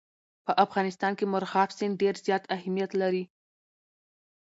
په افغانستان کې مورغاب سیند ډېر زیات اهمیت لري.